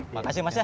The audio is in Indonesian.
makasih mas ya